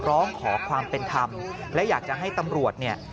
ร้องขอความเป็นธรรมและอยากจะให้ตำรวจเนี่ย